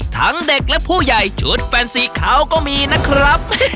ทั้งเด็กและผู้ใหญ่ชุดแฟนสีขาวก็มีนะครับ